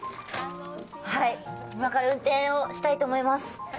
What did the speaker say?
はい、今から運転をしたいと思います。